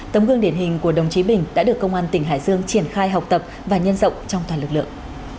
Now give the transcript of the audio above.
tấm gương điển hình của đồng chí bình đã được công an tỉnh hải dương triển khai học tập và nhân rộng trong toàn lực lượng